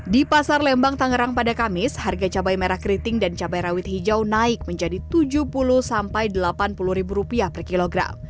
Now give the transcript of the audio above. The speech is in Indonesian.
di pasar lembang tangerang pada kamis harga cabai merah keriting dan cabai rawit hijau naik menjadi rp tujuh puluh delapan puluh per kilogram